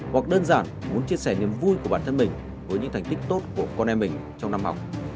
hoặc đơn giản muốn chia sẻ niềm vui của bản thân mình với những thành tích tốt của con em mình trong năm học